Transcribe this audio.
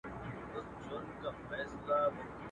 په ټولۍ کي د سیالانو موږ ملګري د کاروان کې.